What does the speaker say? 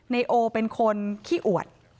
นายโอเป็นคนขี้อวด